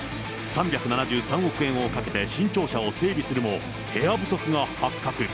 ３７３億円をかけて新庁舎を整備するも、部屋不足が発覚。